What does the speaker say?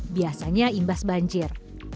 biasanya imbas banjir